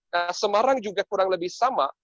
nah semarang juga kurang lebih sama